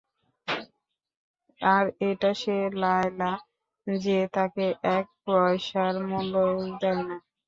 আর এটা সে লায়লা যে তাকে এক পয়সার মূল্য ও দেয় না।